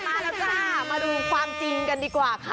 มาแล้วจ้ามาดูความจริงกันดีกว่าค่ะ